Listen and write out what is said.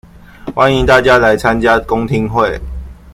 歡迎大家來參加公聽會